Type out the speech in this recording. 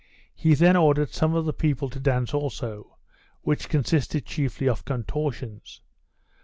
He then ordered some of his people to dance also, which consisted chiefly of contortions.